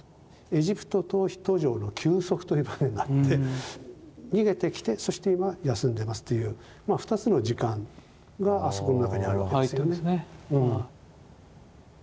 エジプト逃避途上の休息という場面があって逃げてきてそして今休んでますという２つの時間があそこの中にあるわけですよね。